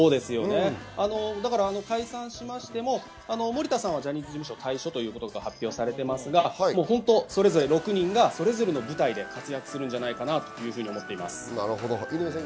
解散しても森田さんはジャニーズ事務所退所が発表されていますが、それぞれ６人が舞台で活躍するんじゃないかと思っています。